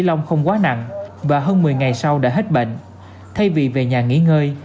long không quá nặng và hơn một mươi ngày sau đã hết bệnh thay vì về nhà nghỉ ngơi